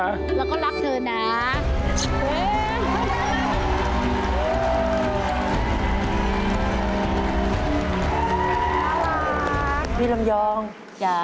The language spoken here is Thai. แล้วก็รักเธอนะ